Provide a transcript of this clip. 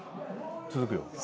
続くよ。